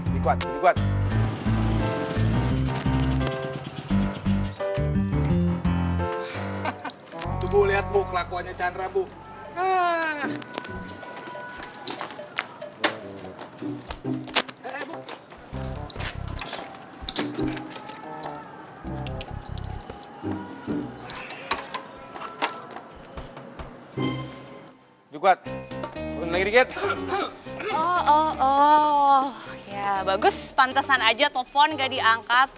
di gas pak di gas